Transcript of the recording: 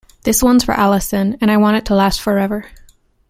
This one's for Allison, and I want it to last forever!